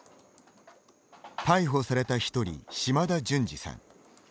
逮捕された１人、島田順司さん。